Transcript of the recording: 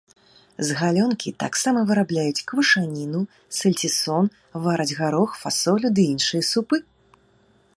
З галёнкі таксама вырабляюць квашаніну, сальцісон, вараць гарох, фасолю ды іншыя супы.